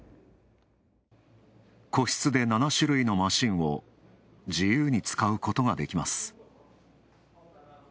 個室で７種類のマシンを自由に使うことができます。